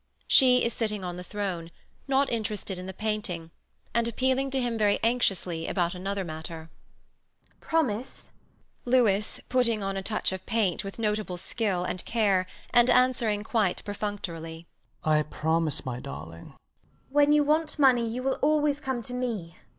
She is sitting on the throne, not interested in the painting, and appealing to him very anxiously about another matter. MRS DUBEDAT. Promise. LOUIS [putting on a touch of paint with notable skill and care and answering quite perfunctorily] I promise, my darling. MRS DUBEDAT. When you want money, you will always come to me.